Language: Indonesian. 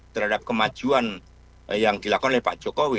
terhadap kemajuan yang dilakukan oleh pak jokowi